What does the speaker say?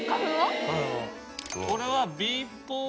これは。